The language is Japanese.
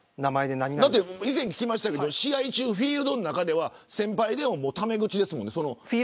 以前聞きましたけれど試合中、フィールドの中では先輩でもタメ口ですよね。